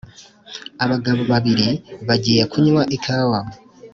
abagabo babiri bagiye kunywa ikawa